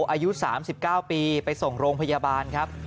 อายุ๓๙ปีไปส่งโรงพยาบาลครับ